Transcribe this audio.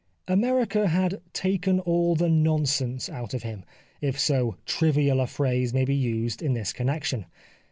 America " had taken all the nonsense out of him," if so trivial a phrase may be used in this connection.